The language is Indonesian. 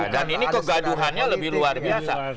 dan ini kegaduhannya lebih luar biasa